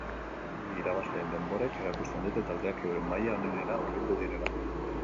Irabazleen denborek erakusten dute taldeak euren maila onenera hurbildu direla.